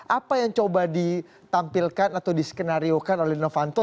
apa yang coba ditampilkan atau diskenariokan oleh novanto